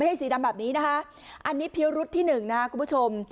ให้สีดำแบบนี้นะคะอันนี้พิวรุษที่หนึ่งนะครับคุณผู้ชม